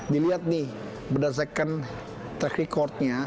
dilihat nih berdasarkan track recordnya